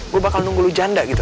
gue bakal nunggu lu janda gitu